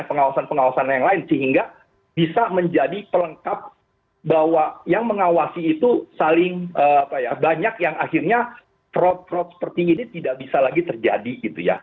pengawasan pengawasan yang lain sehingga bisa menjadi pelengkap bahwa yang mengawasi itu saling banyak yang akhirnya fraud fraud seperti ini tidak bisa lagi terjadi gitu ya